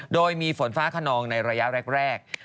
โดยมีฝนฟ้าขนองในระยะแรก